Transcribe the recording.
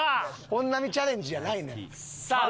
本並チャレンジやないねん。